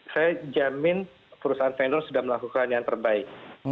saya jamin perusahaan vendor sudah melakukan yang terbaik